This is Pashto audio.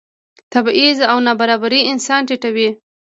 تبعیض او نابرابري انسان ټیټوي.